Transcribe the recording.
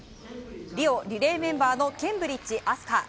リオリレーメンバーのケンブリッジ飛鳥。